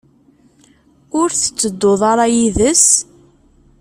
Ur tettedduḍ ara yid-s?